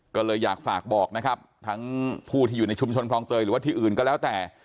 ก็เลยอยากฝากบอกนะครับทั้งผู้ที่อยู่ในชุมชนคลองเตยหรือว่าที่อื่นก็แล้วแต่